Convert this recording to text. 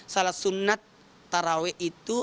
salah sunat taraweeh itu